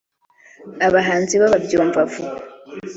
abahanzi bo babyumva vuba